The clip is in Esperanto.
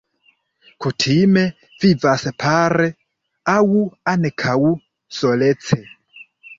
Kutime vivas pare, aŭ ankaŭ solece.